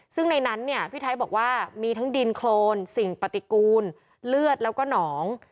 ซึ่งในนั้นเนี่ยพี่ไทยบอกว่ามีทั้งดินโครนสิ่งปฏิกูลเลือดแล้วก็หนอง